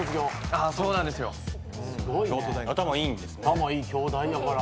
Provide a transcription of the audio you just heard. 頭いい京大やから。